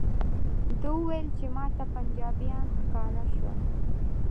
ده وویل چې ماته پنجابیان ښکاره شول.